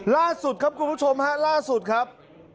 ล่าสุดครับคุณผู้ชมฮะล่าสุดครับ